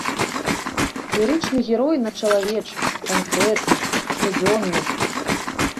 Лірычны герой над чалавечым, канкрэтным, штодзённым.